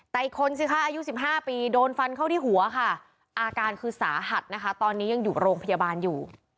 แต่อีกคนสิคะอายุ๑๕ปีโดนฟันเข้าที่หัวค่ะอาการคือสาหัสนะคะตอนนี้ยังอยู่โรงพยาบาลอยู่